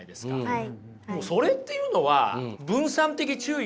はい。